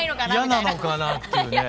嫌なのかなっていうね。